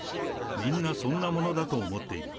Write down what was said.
みんなそんなものだと思っている。